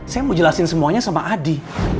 saya mau jelasin semuanya sama adi